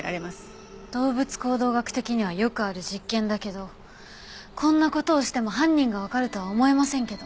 動物行動学的にはよくある実験だけどこんな事をしても犯人がわかるとは思えませんけど。